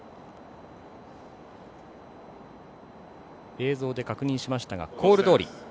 映像で確認しましたがコールどおり。